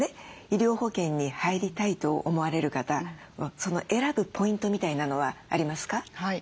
医療保険に入りたいと思われる方選ぶポイントみたいなのはありますか？